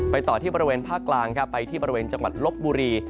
ไปต่อที่ประเวนภาคกลางไปที่ประเวนจังหวัดลบบุรี